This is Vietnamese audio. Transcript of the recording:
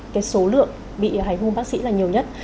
cái số lượng bị hành hung bác sĩ là nhiều nhất